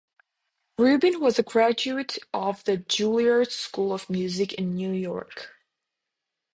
Rubin was a graduate of the Juilliard School of Music in New York.